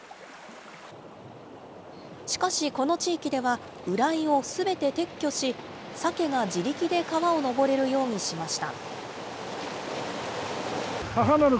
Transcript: しかしこの地域では、ウライをすべて撤去し、サケが自力で川をのぼれるようにしました。